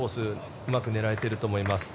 うまく狙えていると思います。